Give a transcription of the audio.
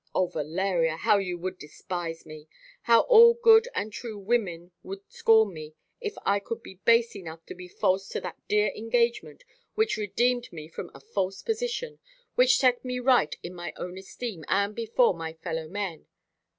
O Valeria, how you would despise me! how all good and true women would scorn me if I could be base enough to be false to that dear engagement which redeemed me from a false position, which set me right in my own esteem and before my fellow men!